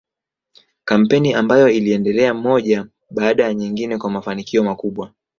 Kampeni ambayo iliendelea moja baada ya nyingine kwa mafanikio makubwa